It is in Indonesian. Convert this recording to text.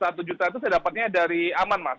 rp satu juta itu saya dapatnya dari aman mas